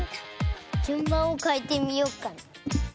じゅんばんをかえてみようかな。